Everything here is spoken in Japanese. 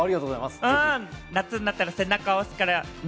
夏になったら背中を押すからね。